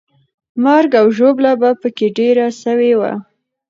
مرګ او ژوبله به پکې ډېره سوې وه.